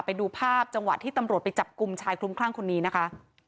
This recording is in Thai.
ไปดูภาพจังหวะที่ตำรวจไปจับกลุ่มชายคลุ้มคลั่งคนนี้นะคะ